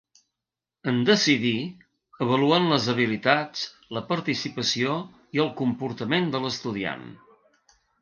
En decidir, avaluen les habilitats, la participació i el comportament de l'estudiant.